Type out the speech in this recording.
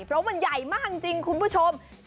เพราะมันใหญ่มากจริงคุณผู้ชม